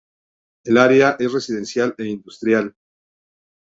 El área es residencial e industrial.